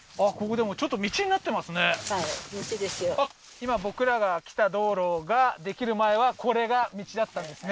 今僕らが来た道路ができる前はこれが道だったんですね